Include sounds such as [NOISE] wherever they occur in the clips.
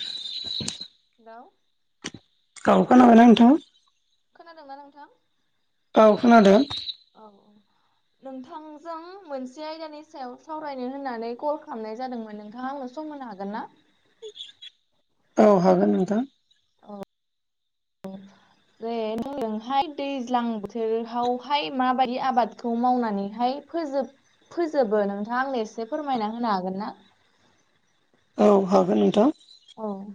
[INAUDIBLE] लाव गाव खोनाबायना नोंथांआ? खोनादोंना नोंथां? औ खोनादों औ नोंथांजों मोनसे आयदानि सायाव सावरायनो होननानै कल खालामनाय जादोंमोन नोंथाङा आंनो सम होनो हागोन ना? औ हागोन नोंथां। औ जे [UNINTELLIGIBLE] जोंहाय दैज्लां बोथोरावहाय माबायदि आबादखौ मावनानै हाय फोजोब फोजोबो नोंथाङा आंनो एसे फोरमायना होनो हागोन ना? औ हागोन नोंथां उम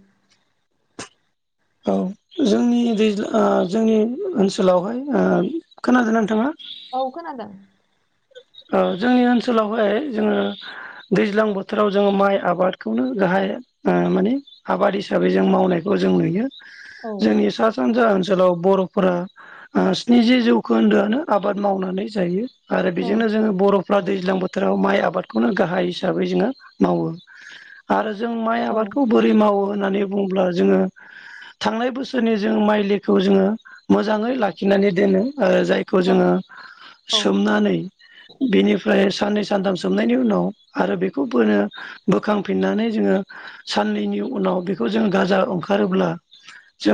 औ जोंनि दैज्ला आ जोंनि ओनसोलावहाय आ खोनादोंना नोंथाङा? औ खोनादों ओ जोंनि ओनसोलावहाय जोङो दैज्लां बोथोराव जोङो माइ आबादखौनो गाहाय ओ माने आबाद हिसाबै जों मावनायखौ जों नुयो औ जोंनि सा सानजा ओनसोल सोलाव बर'फोरा स्निजि जौखोन्दोआनो आबाद मावनानै जायो आरो औ बेजोंनो जोङो बर'फ्रा दैज्लां बोथोराव माइ आबादखौनो गाहाय हिसाबै जोङो मावो। आरो जों माइ औ आबादखौ बोरै मावो होननानै बुङोब्ला जोङो थांनाय बोसोरनि जों माइलिखौ जोङो। मोजाङै लाखिनानै दोनो आरो जायखौ जोङो औ सोमनानै बिनिफ्राय साननै सानथाम सोमनायनि उनाव आरो बेखौ बोनो बोखांफिननानै जोङो साननैनि उनाव बेखौ जोङो गाजा ओंखारोब्ला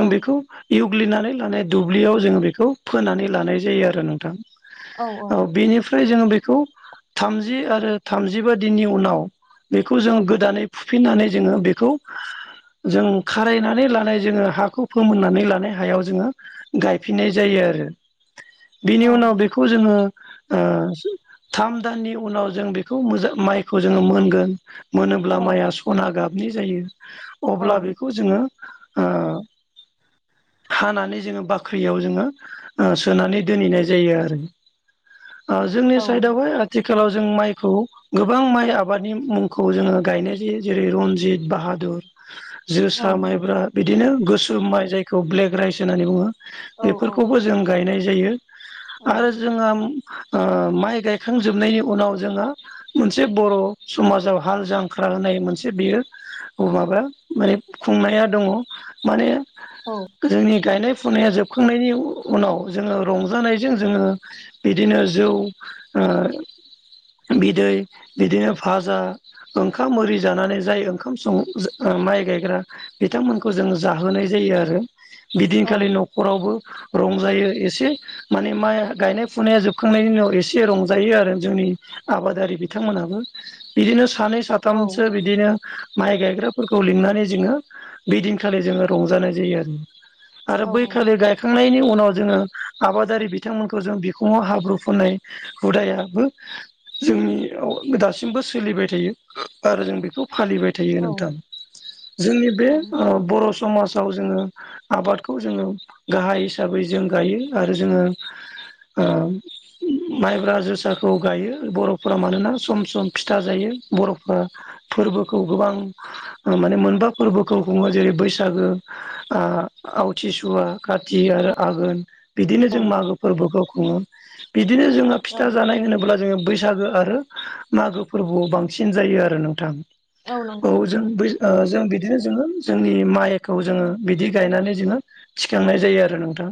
औ बेखौ इउग्लिनानै लानाय दुब्लियाव जोङो बेखौ फोनानै लानाय जायो आरो नोंथां औ बेनिफ्राय जोङो बेखौ थामजि आरो थामजिबा दिननि उनाव बेखौ औ जों गोदानै फुफिननानै जोङो बेखौ जों खारायनानै लानाय जोङो हाखौ फोमोननानै लानाय हायाव जोङो गायफिननाय जायो आरो औ बिनि उनाव बेखौ जोङो ओ थाम दाननि उनाव जों बेखौ मोजां माइखौ जोङो मोनगोन मोनोब्ला माइया स'ना गाबनि जायो औ अब्ला बेखौ जोङो ओ हानानै जोङो बाख्रियाव जोङो ओ सोनानै दोनहैनाय जायो आरो ओ जोंनि औ साइडआवहाय आथिखालाव जों माइखौ गोबां माइ आबादनि मुंखौ जोङो गायनाय जायो जेरै रनजित बाहादुर जोसा माइब्रा बिदिनो गोसोम माइ जायखौ ब्लेक राइस होननानै बुङो। औ बेफोरखौबो जों गायनाय जायो औ आरो जोङो ओ माइ गायखांजोबनायनि उनाव जोङो मोनसे बर' समाजाव हाल जांख्रा होनाय मोनसे बियो अ माबा माने खुंनाया दङ माने औ जोंनि गायनाय फुनाया जोबखांनायनि उनाव जोङो रंजानायजों जोङो बिदिनो जौ ओ बिदै बिदिनो फाजा ओंखाम ओरि जानानै जाय ओंखाम सं ओ माइ गायग्रा बिथांमोनखौ जों जाहोनाय जायो आरो। बिदिनखालि न'खरावबो रंजायो एसे माने माइ गायनाय फुनाया जोबखांनायनि उनाव एसे रंजायो आरो जोंनि आबादारि बिथांमोनाबो। बिदिनो सानै औ साथामसो बिदिनो माइ गायग्राफोरखौ लिंनानै जोङो बेदिनखालि जोङो रंजानाय जायो आरो आरो औ औ बैखालि गायखांनायनि उनाव जोङो आबादारि बिथांमोनखौ जों बि फुङाव हाब्रु फोननाय हुदायाबो जोंनियाव दासिमबो सोलिबाय थायो आरो जों बेखौ फालिबाय थायो औ नोंथां जोंनि बे औ ओ बर'स समाजाव जोङो आबादखौ जोङो गाहाय हिसाबै जों गायो आरो जोङो ओम [INAUDIBLE] माइब्रा, जोसाखौ गायो बर'फोरा मानोना सम सम फिथा जायो बर'फ्रा फोरबोखौ गोबां माने मोनबा फोरबोखौ हुङो जेरै बैसागो, ओ आवथिसुवा, खाति आरो आघोन बिदिनो औ जों मागो फोरबोखौ खुङो। बिदिनो जोङो औ फिथा जानाय होनोब्ला जोङो बैसागो आरो मागो फोरबोआव बांसिन जायो आरो नोंथां। नंगौ औ नोंथां जों बै ओ जों बिदिनो जोङो जोंनि माइखौ जोङो बिदि गायनानै जोङो थिखांनाय जायो आरो नोंथां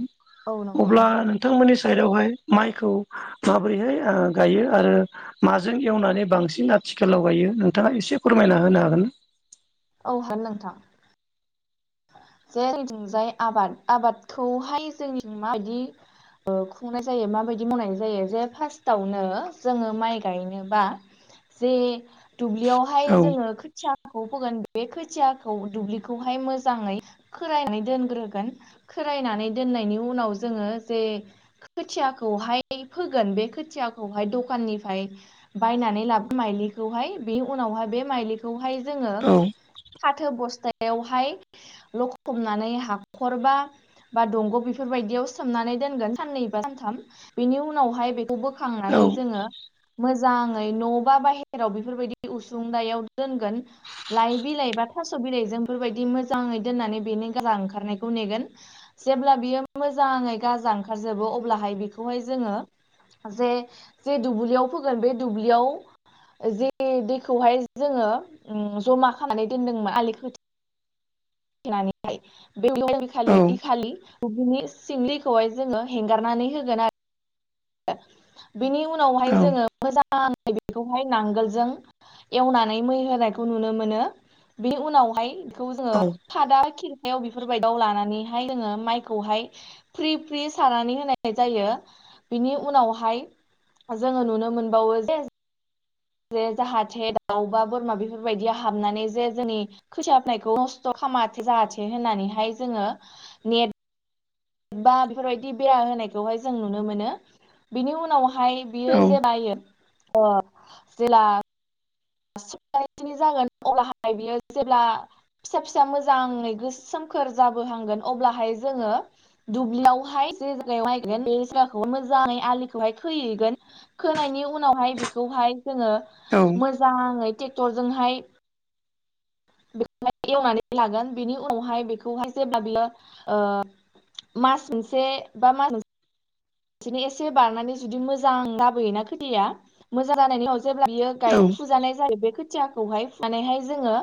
औ नंगौ अब्ला नोंथां नोंथांमोननि साइदआवहाय माइखौ माबोरैहाय ओ गायो आरो माजों एवनानै बांसिन आथिखालाव गायो नोंथाङा एसे फोरमायना होनो हागोन? औ हागोन नोंथां। जे जोंथिजाय आबाद आबादखौहाय जों माबायदि ओ खुंनाय जायो माबायदि मावनाय जायो जे फार्स्टआवनो जोङो माइ गायनोबा जे दुब्लियावहाय औ जोङो खोथियाखौ फोगोन बे खोथियाखौ दुब्लिखौहाय मोजाङै खोरायनानै दोनग्रोगोन खोरायनानै दोननायनि उनाव जोङो जे खोथियाखौहाय फोगोन बे खोथियाखौहाय दखाननिफ्राय बायनानै लाबो माइलिखौहाय बेनि उनावहाय बे माइलि खौहाय जोङो औ फाथो बस्तायावहाय लखब खबनानै हाखरबा बा दंग' बेफोरबायदियाव सोमनानै दोनगोन साननै बा सानथाम बेनि उनावहाय बेखौबो औ खांनानै जोङो मोजाङै न' बा बाहेराव बेफोरबायदि उसुं दायाव दोनगोन लाइ बिलाइ बा थास' बिलाइजोंफोरबायदि मोजाङै दोननानै बेनि गाजा ओंखारनायखौ नेगोन जेब्ला बियो मोजाङै गाजा ओंखारजोबो अब्लाहाय बेखौहाय जोङो जे जे दुब्लियाव फोगोन बे दुब्लियाव जे दैखौहाय जोङो ओ जमा खालामनानै दोनदोंमोन आलि खोथे नानैहाय औ [UNINTELLIGIBLE] इखालि बिनि सिमलिखौहाय जोङो हेंगारनानै होगोन आरो बिनि उनावहाय औ जोङो मोजाङै बेखौहाय नांगोलजों एवनानै मै होनायखौ नुनो मोनो बे उनावहाय बेखौ जोङो औ खादा खिरनायायाव बेफोरबायदियाव लानानैहाय जोङो माइखौहाय फ्रि फ्रि सारनानै होनाय जायो बिनि उनावहाय जोङो नुनो मोनबावो जे जे जाहाथे दाउ बा बोरमा बेफोरबायदिया हाबनानै जे जोंनि [UNINTELLIGIBLE] नस्थ' खालामाथे जायाथे होननानैहाय जोङो नेट बा बेफोरबायदि बेरा होनायखौहाय जों नुनो मोनो बेनि उनावहाय औ बियो जे बायो ओ जेला [UNINTELLIGIBLE] जागोन अब्लाहाय बियो जेब्ला फिसा फिसा मोजाङै गो सोमखोर जाबोहांगोन अब्लाहाय जोङो दुब्लियावहाय जे जायगायाव नायगोन बे जायगाखौबो मोजाङै आलिखौहाय खोहैगोन खोनायनि उनावहाय बेखौहाय जोङो औ मोजाङै ट्रेक्टरजोंहाय बेखौहाय एवनानै लागोन बेनि उनावहाय बेखौहाय जेब्ला बियो मास मोनसे बा मास मो बिदिनो एसे बारनानै जुदि मोजां लाबोयोना खोथिया मोजां जानायनि उनाव जेब्ला बियो औ गाय फुजानाय जायो बे खोथियाखौहाय फुनानैहाय जोङो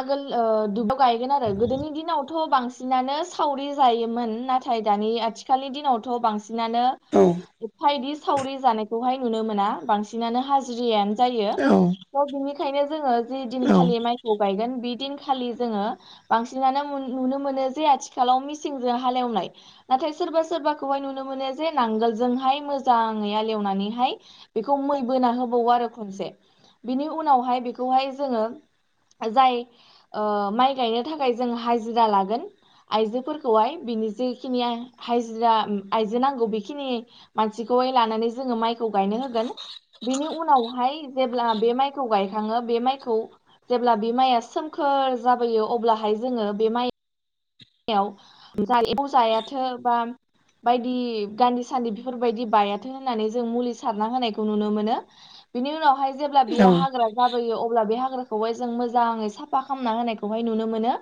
आगोल ओ दुब्लिआव गायगोन आरो गोदोनि दिनावथ' बांसिनानो सावरि जायोमोन ना थाय दानि आथिखालनि दिनावथ' बांसिन बांसिनानो औ एफा इदि सावरि जानायखौहाय नुनो मोना बांसिनानो हाजिरियानो जायो औ थ' बिनिखायनो जोङो जि दिनखालि माइखौ गायगोन बि दिनखालि जोङो बांसिनानो नु-नुनो मोनो जे आथिखालाव मेसिंजों हालेवनाय नाथाय सोरबा सोरबाखौहाय नुनो मोनो जे नांगोलजोंहाय मोजाङै यालेवनानैहाय बेखौ मै बोना होबावो आरो खनसे बिनि उनावहाय बेखौहाय जोङो जाय ओ माइ गायनो थाखाय जों हाजिरा लागोन आइजोफोरखौहाय बिनि जेखिनि हाजिरा ओम आइजो नांगौ बेखिनि मानसिखौ लानानै जोङो माइखौ गायनो होगोन बिनि उनावहाय जेब्ला बे माइखौ गायखाङो बे माइखौ जेब्ला बे माइया सोमखोर जाबोयो अब्लाहाय जोङो बे माइ याव जा एम्फौ जायाथों बा बायदि गान्दि सान्दि बेफोरबायदि बायाथों होननानै जों मुलि सारना होनायखौ नुनो मोनो बिनि उनावहाय जेब्ला औ बियो हाग्रा लाबोयो अब्ला बे हाग्राखौहाय जों मोजाङै साफा खालामना होनायखौहाय नुनो मोनो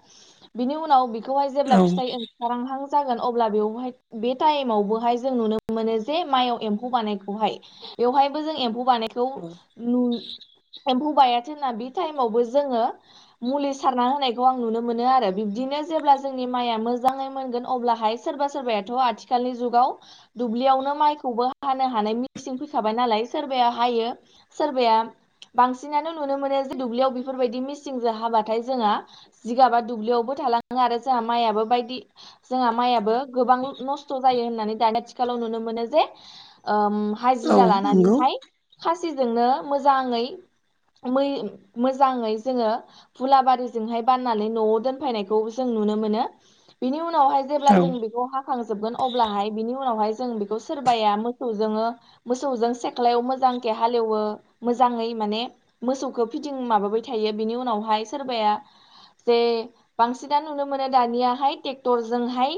बिनि उनाव बिखौहाय जेब्ला औ फिथाइ ओं खारहांहां जागोन अब्ला बेयावहाय बे टाइमावबोहाय जों नुनो मोनो जे माइयाव एम्फौ बानायखौहाय बेवहायबो जों एम्फौ बानायखौ नु एम्फौ बायाथोंना बे टाइमावबो जोङो मुलि सारना होनायखौ आं नुनो मोनो आरो बिब्दिनो जेब्ला जोंनि माइया मोजाङै मोनगोन अब्लाहाय सोरबा सोरबायाथ' आथिखालनि जुगाव दुब्लियावनो माइखौबो हानो हानाय मिसिन फैखाबाय नालाय सोरबाया हायो सोरबाया बांसिनानो नुनो मोनो जे दुब्लियाव बेफोरबायदि मिसिंजों हाबाथाय जोंहा जिगाबा दुब्लियावबो थालाङो आरो जोंहा माइयाबो बायदि जोंहा माइयाबो गोबां नस्थ' जायो होननानै दानि आथिखालाव नुनो मोनो जे औ हाजिरा नंगौ लानानैहाय खासिजोंनो मोजाङै मोजाङै जोङो हुलाबारिजोंहाय बाननानै न'आव दोनफैनाय बेखौबो जों नुनो मोनो बिनि उनावहाय जेब्ला औ जों बेखौ हाखांजोबगोन अब्लाहाय बिनि उनावहाय जों बेखौ सोरबाया मोसौजोंङो मोसौजों सेख्लायाव मोजांखे हालेवो मोजाङै माने। मोसौखौ फिटिं माबाबाय थायो बिनि उनावहाय सोरबाया जे बांसिनानो नुनो मोनो दानियाहाय ट्रेक्टरजोंहाय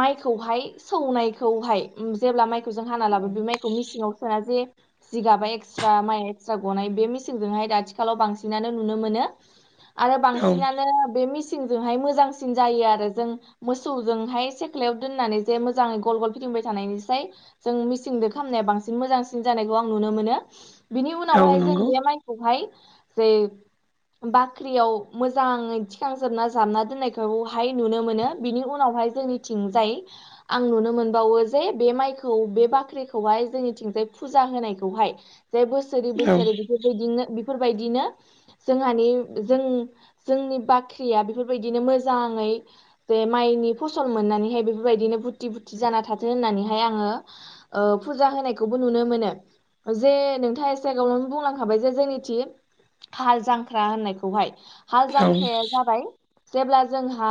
माइखौहाय सौनायखौहाय जेब्ला माइखौ जों हाना लाबो बे माइखौ मिसिंआव। सासे जिगाबा एक्सट्रा माइ एक्सट्रा गनाय बे मेसिनजोंहाय आथिखालाव बांसिनानो नुनो मोनो। आरो बांसिनानो बे मिसिंजोंहाय मोजांसिन जायो आरो जों मोसौजोंहाय सेख्लायाव दोननानै जे मोजाङै गल गल फिदिंबाय थानायनिसाय जों मिसिंदो खालामनाया बांसिन मोजांसिन जानायखौ आं नुनो मोनो बिनि औ उनावहाय जों नंगौ बे माइ खौहाय जे बाख्रियाव मोजाङै थिखां जोबना जाबना दोननायखौहाय नुनो मोनो बिनि उनावहाय जोंनिथिंजाय आं नुनो मोनबावो जे बे माइखौ बे बाख्रिखौहाय जोंनिथिंजाय फुजा होनायखौहाय। जेबोस' बोसोरै औ बोसोरै बेफोरबायदिनो बेफोरबायदिनो जोंहानि जों जोंनि बा आंख्रिया बेफोरबायदिनो मोजाङै जे माइनि फसल मोननानैहाय बेफोरबायदिनो बुरथि बुरथि जाना थाथों होननानैहाय आङो। फुजा होनायखौबो नुनो मोनो जे नोंथाङा एसेगावावनो बुंलांखाबाय जे जोंनिथिं हाल जांख्रा होननायखौहाय हाल औ जांख्राया जाबाय जेब्ला जोंहा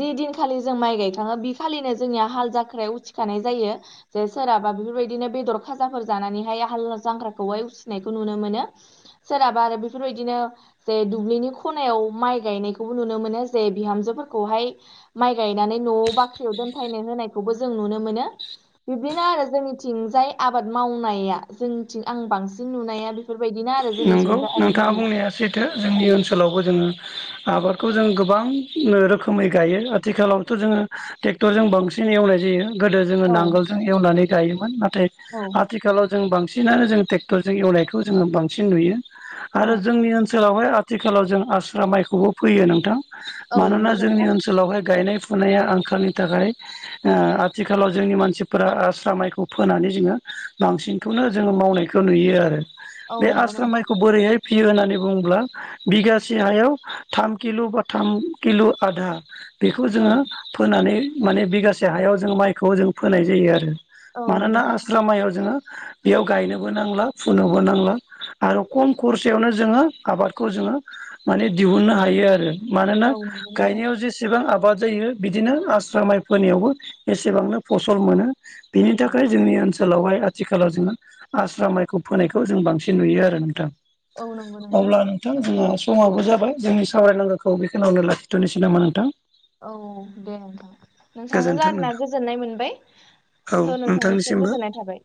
जि दिनखालि जों माइ गायखााङो बि खालिनो जोंनिया हाल जाख्रायाव उथि जानाय जायो। जे सोरहाबा बेफोरबायदिनो बेदर खाजाफोर जानानैहाय हाल जांख्राखौहाय उसिनायखौ नुनो मोनो। सोरहाबा आरो बेफोरबायदिनो जे दुब्लिनि खनायाव माइ गायनायखौबो नुनो मोनो जे बिहामजोफोरखौहाय माइ गायनानै न'आव बाख्रियाव दोनफायनो होनायखौबो जों नुनो मोनो। बिब्दिनो आरो जोंनिथिं जाय आबाद मावनाया जोंनिथिं आं बांसिन नुनाया बे बेफोरबायदि ना। नंगौ नोंथाङा बुंनाया सैथो औ जोंनि ओनसोलावबो जोङो आबादखौ जों गोबां रोखोमै गायो आथिखालावथ' जोङो ट्रेक्टरजों बांसिन एवनाय जायो। गोदो जोङो औ नांगोलजों एवनानै गायोमोन नाथाय औ आथिखालाव जों बांसिनानो जों ट्रेक्टरजों एवनायखौ जोङो बांसिन नुयो औ आरो जोंनि ओनसोलावहाय आथिखालाव जों आस्रा माइखौबो फैयो नोंथां औ मानोना नंगौ जोंनि नोंथां ओनसोलाव सोलावहाय गायनाय फुनाया आंखालनि थाखाय आथिखालाव जोंनि मानसिफोरा माइखौ फोनानै जोङो बांसिन बेखौनो जोङो मावनायखौ नुयो आरो औ बे नंगौ आस्रा नोंथां माइखौ बोरैहाय फियो होननानै बुङोब्ला बिगासे हायाव थाम किल' बा थाम किल' आधा बेखौ औ जोङो फोनानै माने बिगासे हायाव जों माइखौ जों फोनाय जायो आरो। औ नंगौ मानोना नोंथां आस्रा माइयाव जोङो बेयाव गायनोबो नांला फुनोबो नांला। आरो खम खरसायावनो जोङो आबादखौ जोङो माने दिहुननो हायो आरो। मानोना औ नंगौ नोंथां गायनायाव जेसे एसेबां आबाद जायो बिदिनो आस्रा माइफोनायावबो एसेबांनो फसल मोनो। बिनि औ थाखाय जोंनि ओनसोलावहाय आथिखालाव जोङो आस्रा माइखौ फोनायखौ जों बांसिन सिन नुयो आरो नोंथां। औ नंगौ अब्ला नों नोंथां जोंहा समाबो जाबाय जोंनि सावरायनांगौखौ बेखिनावनो लाखिथ'नोसै नामा नोंथां? औ दे नोंथां। नोंथांजों गोजोन्थों रालायनानै नोंथां गोजोननाय मोनबाय। औ स' नोंथांसिम नोंथांनिसिमबो गोजोननाय थाबाय।